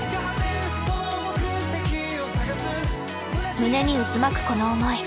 胸に渦巻くこの思い。